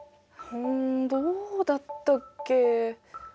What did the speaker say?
うんどうだったっけ？